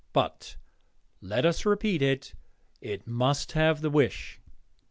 But let us repeat it it must have the wish.